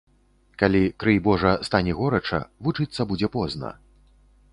Калі, крый божа, стане горача, вучыцца будзе позна.